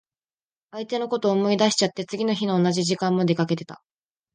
相手のこと思い出しちゃって、次の日の同じ時間も出かけてた。